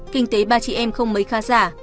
kinh tế ba chị em không mấy khá giả